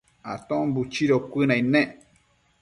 Aton buchido cuënaid nec